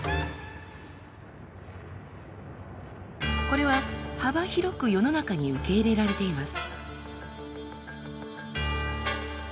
これは幅広く世の中に受け入れられています。